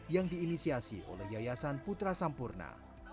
yang diinisiasi oleh yayasan putra sampurna